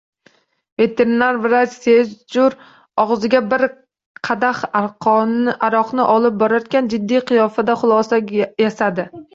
Veterinar vrach Sejur, og`ziga bir kadah aroqni olib borarkan, jiddiy qiyofada xulosa yasadi